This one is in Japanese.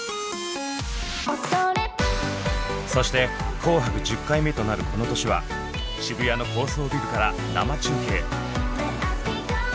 そして「紅白」１０回目となるこの年は渋谷の高層ビルから生中継。